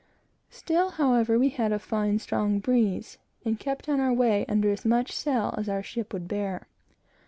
Still, however, we had a fine, strong breeze, and kept on our way, under as much sail as our ship would bear.